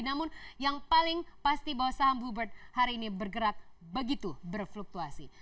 namun yang paling pasti bahwa saham bluebird hari ini bergerak begitu berfluktuasi